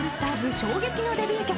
衝撃のデビュー曲。